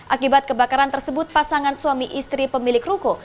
akibat kebakaran tersebut pasangan suami istri pemilik ruko